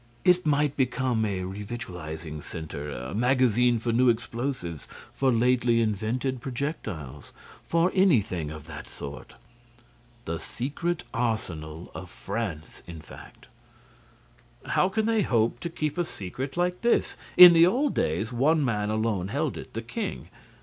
It might become a revictualling centre, a magazine for new explosives, for lately invented projectiles, for anything of that sort: the secret arsenal of France, in fact." "But how can they hope to keep a secret like this? In the old days, one man alone held it: the king.